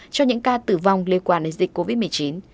cho những ca tử vong liên quan đến dịch covid một mươi chín